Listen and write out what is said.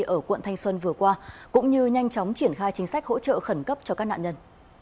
ở quận thanh xuân vừa qua cũng như nhanh chóng triển khai chính sách hỗ trợ khẩn cấp cho các nạn nhân